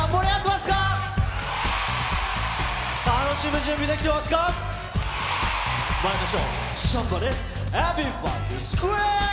まいりましょう。